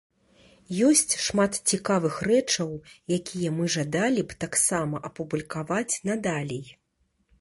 Ёсць шмат цікавых рэчаў, якія мы жадалі б таксама апублікаваць надалей.